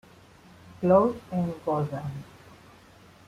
Cloud en "Gotham".